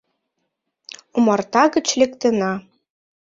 Омарта гыч лектына